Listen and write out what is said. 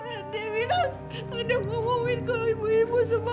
dia bilang dia ngomongin ke ibu ibu semua